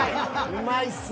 うまいっすね。